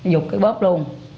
rụt cái bớt luôn